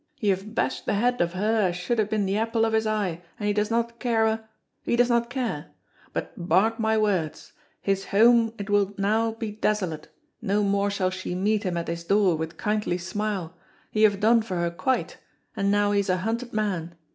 He have bashed the head of her as should ha' been the apple of his eye, and he does not care a he does not care; but mark my words, his home it will now be desolate, no more shall she meet him at his door with kindly smile, he have done for her quite, and now he is a hunted man.